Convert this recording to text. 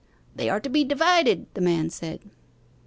'They are to be divided,' the man said.